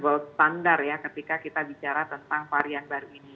terus menegakkan volt standar ya ketika kita bicara tentang varian baru ini